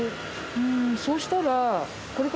うーんそうしたら。